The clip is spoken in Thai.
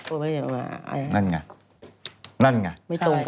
โอ้ไม่ได้แม่ไม่ตรงกันนั่นไง